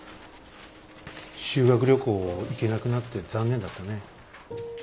修学旅行行けなくなって残念だったね。